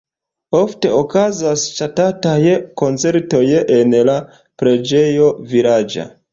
Ofte okazas ŝatataj koncertoj en la preĝejo vilaĝa.